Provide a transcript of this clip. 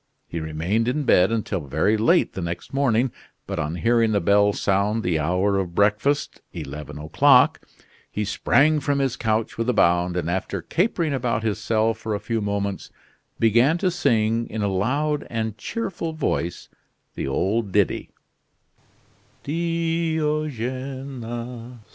He remained in bed until very late the next morning; but on hearing the bell sound the hour of breakfast, eleven o'clock, he sprang from his couch with a bound, and after capering about his cell for a few moments, began to sing, in a loud and cheerful voice, the old ditty: "Diogene!